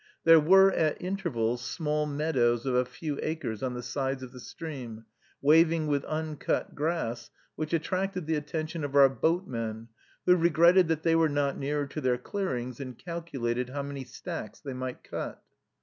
There were, at intervals, small meadows of a few acres on the sides of the stream, waving with uncut grass, which attracted the attention of our boatmen, who regretted that they were not nearer to their clearings, and calculated how many stacks they might cut.